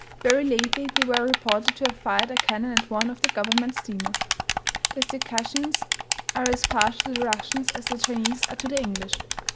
Very lately they were reported to have fired a cannon at one of the government steamers. The Circassians {320a} are as partial to the Russians as the Chinese are to the English!